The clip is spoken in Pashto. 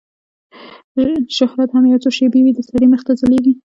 شهرت هم یو څو شېبې وي د سړي مخ ته ځلیږي